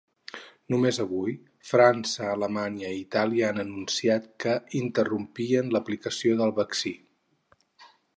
Només avui França, Alemanya i Itàlia han anunciat que interrompien l’aplicació del vaccí.